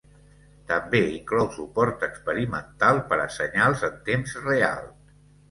També inclou suport experimental per a senyals en temps real.